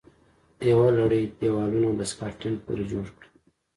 یوه لړۍ دېوالونه د سکاټلند پورې جوړه کړه